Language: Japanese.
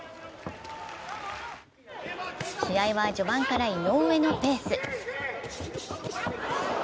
試合は序盤から井上のペース。